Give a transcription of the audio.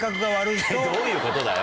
どういうことだよ！